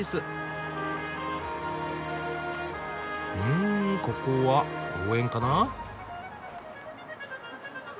んここは公園かな。